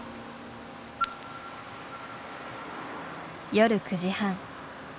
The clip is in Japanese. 夜９時半。